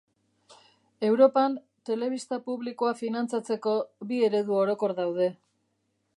Europan telebista publikoa finantzatzeko bi eredu orokor daude.